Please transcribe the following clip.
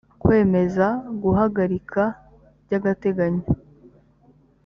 kwemeza guhagarika by’agateganyo